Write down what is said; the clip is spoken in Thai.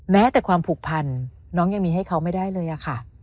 แม้แต่ความผูกพันน้องยังมีให้เขาไม่ได้เลยอะค่ะ